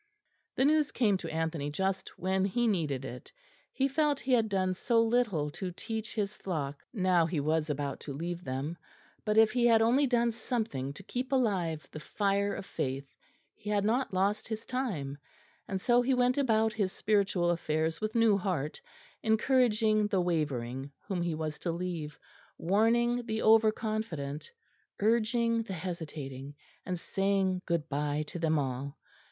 '" The news came to Anthony just when he needed it; he felt he had done so little to teach his flock now he was to leave them; but if he had only done something to keep alive the fire of faith, he had not lost his time; and so he went about his spiritual affairs with new heart, encouraging the wavering, whom he was to leave, warning the over confident, urging the hesitating, and saying good bye to them all.